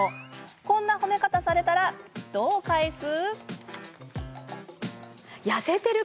こんな褒め方されたらどう返す？